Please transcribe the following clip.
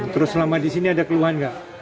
terus selama di sini ada keluhan nggak